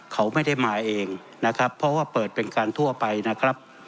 เขาไม่ได้มาเองนะครับเพราะว่าเปิดเป็นการทั่วไปนะครับ